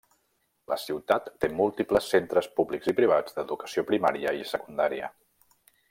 La ciutat té múltiples centres públics i privats d'educació primària i secundària.